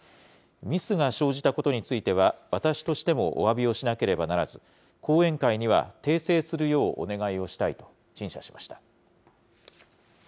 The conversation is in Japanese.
ミスが生じたことについては、私としてもおわびをしなければならず、後援会には訂正するようお願いをしたいと陳謝しました。